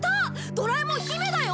ドラえもん姫だよ！